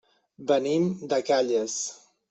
Venim de Calles.